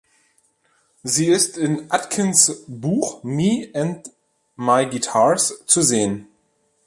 Sie ist in Atkins Buch "Me and My Guitars" zu sehen.